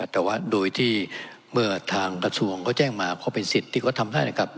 แต่ว่าโดยที่เมื่อทางกระทรวงเขาแจ้งมาก็เป็นสิทธิ์ที่เขาทำได้นะครับ